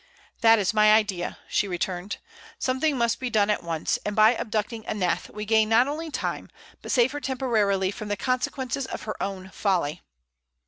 "That is my idea," she returned. "Something must be done at once; and by abducting Aneth, we not only gain time, but save her temporarily from the consequences of her own folly."